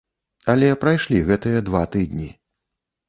Але прайшлі гэтыя два тыдні.